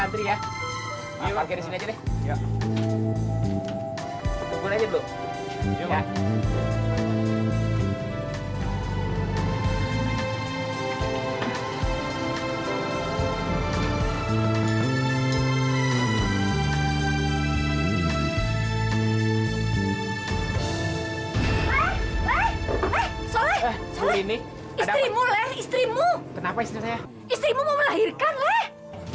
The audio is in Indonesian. hai eh eh soleh soleh ini ada mulai istrimu kenapa istrinya istrimu melahirkan leh